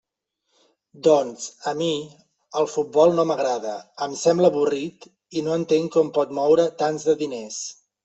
Doncs, a mi, el futbol no m'agrada; em sembla avorrit, i no entenc com pot moure tants de diners.